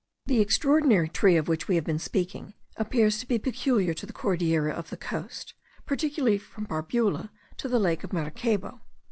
The extraordinary tree of which we have been speaking appears to be peculiar to the Cordillera of the coast, particularly from Barbula to the lake of Maracaybo.